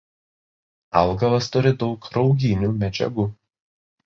Augalas turi daug rauginių medžiagų.